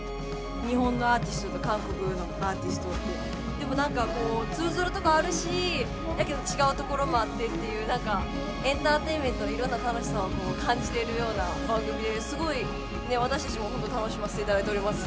日本のアーティストと韓国のアーティストがいて何か通ずるところあるしだけど違うところもあってっていうエンターテインメントのいろんな楽しさを感じられるような番組ですごい私たちもほんと楽しませていただいております。